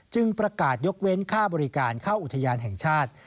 ประกาศยกเว้นค่าบริการเข้าอุทยานแห่งชาติ